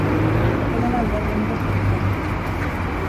Litekeena da bihar berriro trafiko handia izatea.